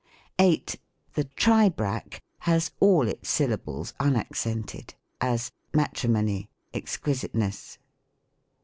8. The Tribrach has all its syllables unaccented : as, "Matrimony, exquTsiteness."